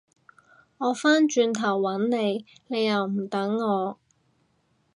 我返轉頭搵你，你又唔等我